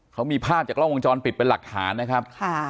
เขามีภาพจากกล้องวงจรปิดเป็นหลักฐานนะครับ